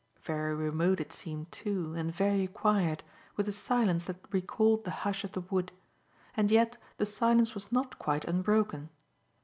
Very remote it seemed, too, and very quiet, with a silence that recalled the hush of the wood. And yet the silence was not quite unbroken.